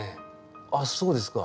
あっそうですか。